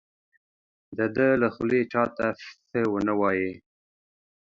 د ده له خولې چا ته څه ونه وایي.